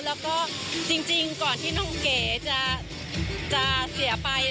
แล้วก็จริงก่อนที่น้องเก๋จะเสียไป